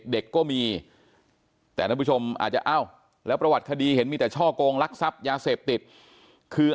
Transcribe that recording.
เด็กก็มีแต่ท่านผู้ชมอาจจะอ้าวแล้วประวัติคดีเห็นมีแต่ช่อกงลักทรัพย์ยาเสพติดคือ